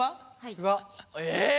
うわ。え！